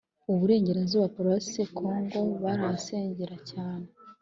iburengerazuba : paroisse congo barahasengera cyane